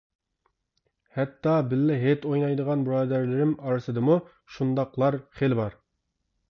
ھەتتا بىللە ھېيت ئوينايدىغان بۇرادەرلىرىم ئارىسىدىمۇ شۇنداقلار خېلى بار.